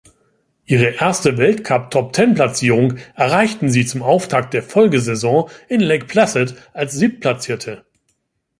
Ihre erste Weltcup-Top-Ten-Platzierung erreichten sie zum Auftakt der Folgesaison in Lake Placid als Siebtplatzierte.